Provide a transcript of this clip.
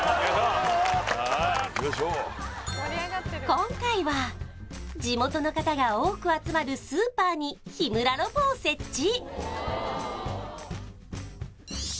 今回は地元の方が多く集まるスーパーに日村ロボを設置